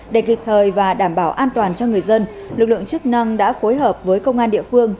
để kịp thời và đảm bảo an toàn cho người dân lực lượng chức năng đã phối hợp với công an địa phương